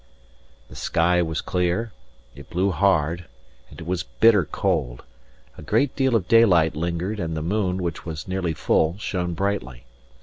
The sky was clear; it blew hard, and was bitter cold; a great deal of daylight lingered; and the moon, which was nearly full, shone brightly.